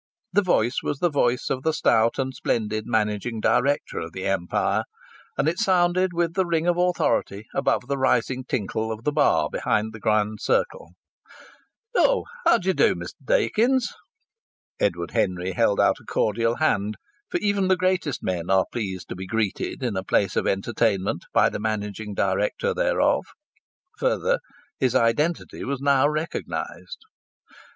The voice was the voice of the stout and splendid managing director of the Empire, and it sounded with the ring of authority above the rising tinkle of the bar behind the Grand Circle. "Oh! How d'ye do, Mr. Dakins?" Edward Henry held out a cordial hand, for even the greatest men are pleased to be greeted in a place of entertainment by the managing director thereof. Further, his identity was now recognized.